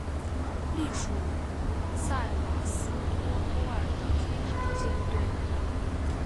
隶属于塞瓦斯托波尔的黑海舰队。